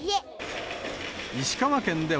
石川県では、